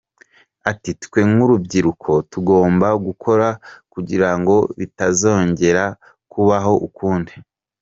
Ati “Twe nk’urubyiruko tugomba gukora kugirango bitazongera kubaho ukundi.